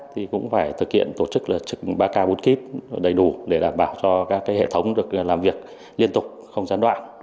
thì cũng phải thực hiện tổ chức là trực ba k bốn kip đầy đủ để đảm bảo cho các hệ thống được làm việc liên tục không gián đoạn